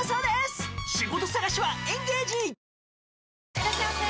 いらっしゃいませ！